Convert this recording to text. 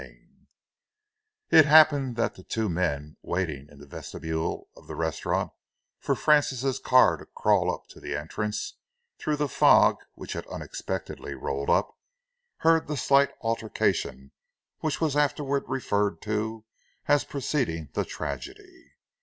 CHAPTER IX It happened that the two men, waiting in the vestibule of the restaurant for Francis' car to crawl up to the entrance through the fog which had unexpectedly rolled up, heard the slight altercation which was afterwards referred to as preceding the tragedy.